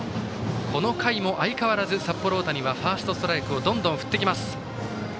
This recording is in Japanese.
この回も相変わらず札幌大谷はファーストストライクをどんどん振ってきます。